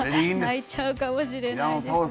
泣いちゃうかもしれない。